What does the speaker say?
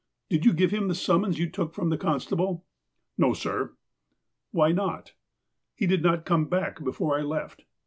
" Did you give him the summons you took from the constable!" ''No, sir." "Why not, sir?" " He did not come back before I left."